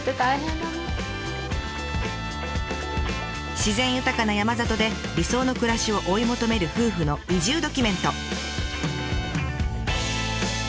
自然豊かな山里で理想の暮らしを追い求める夫婦の移住ドキュメント。